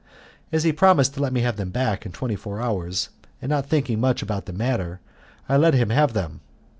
As he promised to let me have them back in twenty four hours, and not thinking much about the matter, I let him have them.